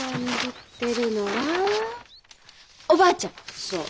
そう。